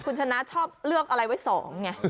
คุณชนะชอบเลือกอะไรไว้๒ไง